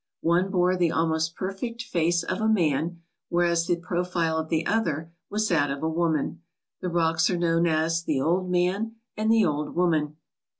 One bore the almost perfect face of a man, whereas the profile of the other was that of a woman. The rocks are known as "The Old Man" and "The Old Woman."